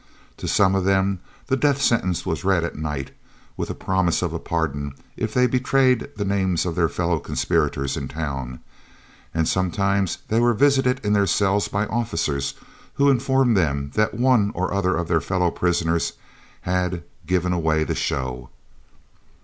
To some of them the death sentence was read at night, with a promise of pardon if they betrayed the names of their fellow conspirators in town, and sometimes they were visited in their cells by officers who informed them that one or other of their fellow prisoners had "given away the show."